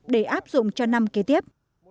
để áp dụng cho năm kế tiếp